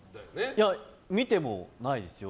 いや、見てもないですよ。